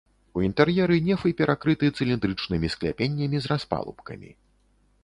У інтэр'еры нефы перакрыты цыліндрычнымі скляпеннямі з распалубкамі.